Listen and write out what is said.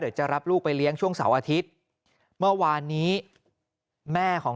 จะรับลูกไปเลี้ยงช่วงเสาร์อาทิตย์เมื่อวานนี้แม่ของ